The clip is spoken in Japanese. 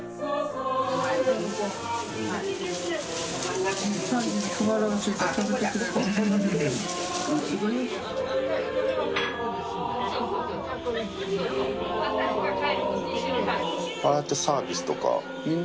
大雅Ｄ）ああやってサービスとか。